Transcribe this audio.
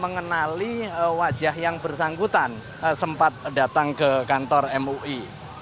mengenali wajah yang bersangkutan sempat datang ke kantor mui